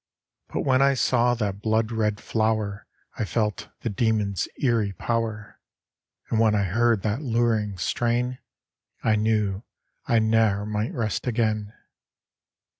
But when I saw that blood red flower I felt the demon's eerie power, And when I heard that luring strain I knew I ne'er might rest again.